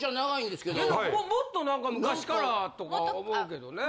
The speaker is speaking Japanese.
でももっと何か昔からとか思うけどね。